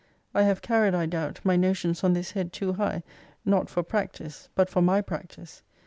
I have carried, I doubt, my notions on this head too high, not for practice, but for my practice.